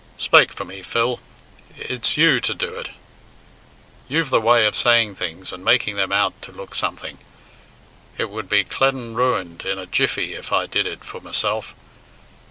"Spake for me, Phil. It's you to do it. You've the way of saying things, and making them out to look something. It would be clane ruined in a jiffy if I did it for myself.